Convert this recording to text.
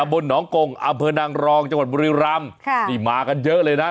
บนหนองกงอำเภอนางรองจังหวัดบุรีรำค่ะนี่มากันเยอะเลยนะ